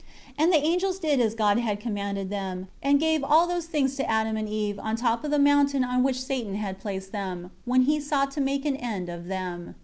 9 And the angels did as God had commanded them, and they gave all those things to Adam and Eve on the top of the mountain on which Satan had placed them, when he sought to make an end of them.